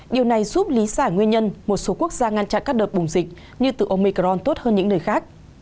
điều này giúp lý giải nguyên nhân một số quốc gia ngăn chặn các đợt bùng dịch như từ omicron tốt hơn những nơi khác